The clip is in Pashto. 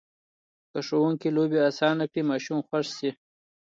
که ښوونکي لوبې اسانه کړي، ماشوم خوښ شي.